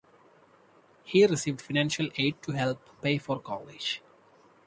He received financial aid to help pay for college.